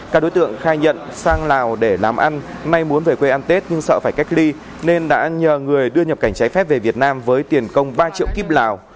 các đối tượng khai nhận sang lào để làm ăn may muốn về quê ăn tết nhưng sợ phải cách ly nên đã nhờ người đưa nhập cảnh trái phép về việt nam với tiền công ba triệu kíp lào